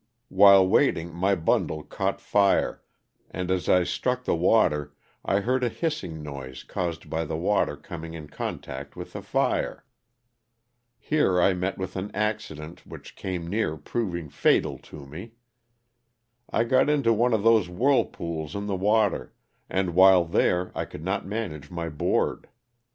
While waiting, my bundle caught fire, and, as I struck the water, I heard a hissing noise caused by the water com ing in contact with the fire. Here I met with an acci dent which came near proving fatal to me. I got into one of those whirl pools in the water, and while there I could not manage my board.